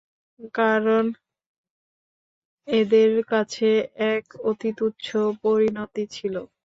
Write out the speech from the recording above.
কারণ মৃত্যু এদের কাছে এক অতি তুচ্ছ পরিণতি ছিল।